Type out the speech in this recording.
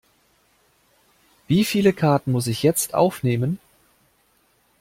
Wie viele Karten muss ich jetzt aufnehmen?